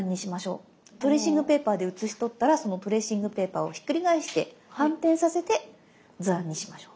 トレーシングペーパーで写しとったらそのトレーシングペーパーをひっくり返して反転させて図案にしましょう。